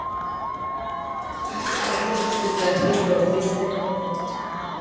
He softly whispered in their ears the glad tidings of salvation.